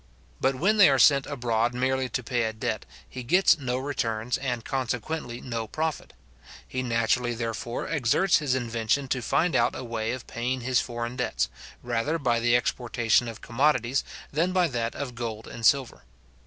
But when they are sent abroad merely to pay a debt, he gets no returns, and consequently no profit. He naturally, therefore, exerts his invention to find out a way of paying his foreign debts, rather by the exportation of commodities, than by that of gold and silver.